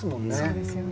そうですよね。